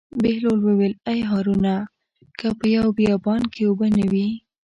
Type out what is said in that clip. بهلول وویل: ای هارونه که په یوه بیابان کې اوبه نه وي.